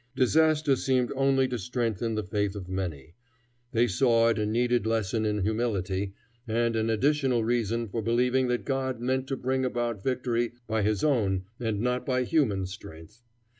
Disaster seemed only to strengthen the faith of many. They saw in it a needed lesson in humility, and an additional reason for believing that God meant to bring about victory by his own and not by human strength.